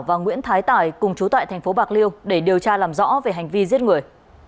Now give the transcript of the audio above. và nguyễn thái tải cùng chú tại thành phố bạc liêu để điều tra làm rõ về hành vi giết người